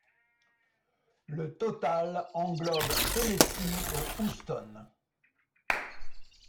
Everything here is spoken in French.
Le total englobe Tennessee et Houston.